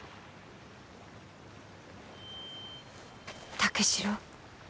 武四郎。